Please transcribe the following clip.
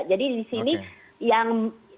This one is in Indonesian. jadi di sini yang